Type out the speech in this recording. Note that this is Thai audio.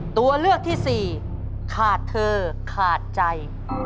ตัวเลือกที่สี่ขาดเธอขาดใจ